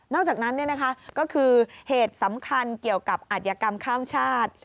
อกจากนั้นก็คือเหตุสำคัญเกี่ยวกับอัธยกรรมข้ามชาติ